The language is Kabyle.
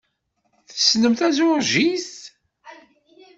Tessnem tajuṛjit?